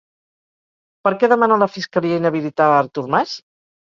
Per què demana la fiscalia inhabilitar a Artur Mas?